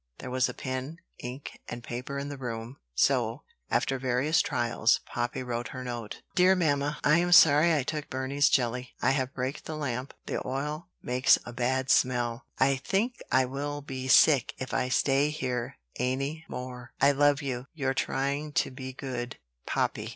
There was pen, ink, and paper in the room; so, after various trials, Poppy wrote her note: "dear Mamma. "i am sorry i Took bernys gelli. i have braked The lamP. The oyl maks A bad smel. i tHink i wil Bee sik iF i stay HeRe anny More. i LoVe yoU your Trying To Bee GooD popy."